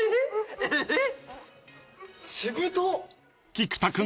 ［菊田君